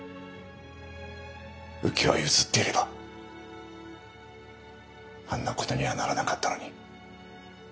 浮き輪を譲っていればあんなことにはならなかったのに。